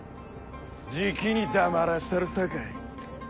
じきに黙らしたるさかい。